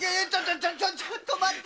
⁉ちょちょっと待って！